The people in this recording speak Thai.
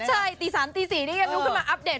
ใช่ตี๓ตี๔นี่ยังลุกขึ้นมาอัปเดต